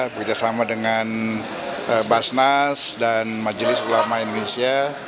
bekerjasama dengan basnas dan majelis ulama indonesia